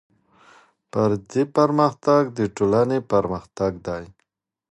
فردي پرمختګ د ټولنې پرمختګ دی.